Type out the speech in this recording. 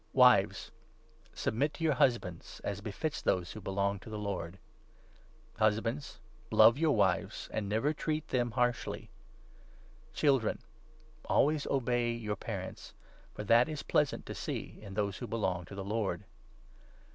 „. Wives, submit to your husbands, as befits those 18 On riSTian tii i T i T T «« Family who belong to the Lord. Husbands, love 19 Life. your wives, and never treat them harshly. Children, always obey your parents ; for that is pleasant to 20 see in those who belong to the Lord.